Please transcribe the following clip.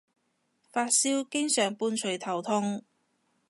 發燒經常伴隨頭痛